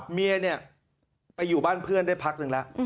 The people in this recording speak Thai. เมียเนี่ยไปอยู่บ้านเพื่อนได้พักหนึ่งแล้ว